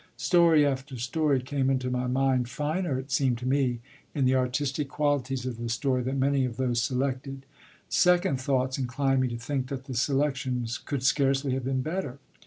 Story after story came into my mind, finer, it seemed to me, in the artistic qualities of the story than many of those selected. Second thoughts inclined me to think that the selection could scarcely have been better.